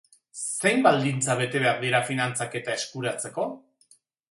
Zein baldintza bete behar dira finantzaketa eskuratzeko?